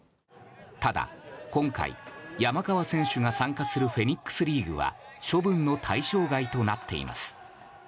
ただ今回、山川選手が参加するフェニックス・リーグは処分の対象外となっています。